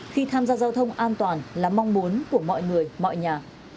khi tham gia giao thông an toàn là mong muốn của mọi người mọi nhà